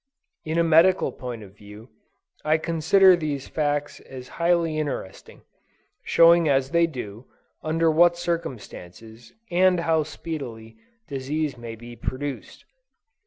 In a medical point of view, I consider these facts as highly interesting; showing as they do, under what circumstances, and how speedily, disease may be produced.